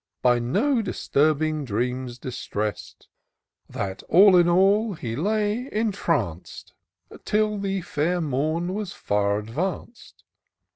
By no disturbing dreams distrest ; That, all at ease, he lay entranced. Till the fair mom was far advanc'd.